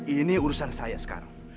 ini urusan saya sekarang